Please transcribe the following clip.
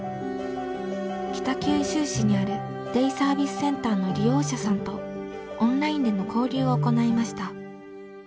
北九州市にあるデイサービスセンターの利用者さんとオンラインでの交流を行いました。